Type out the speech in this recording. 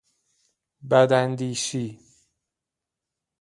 بداندیشی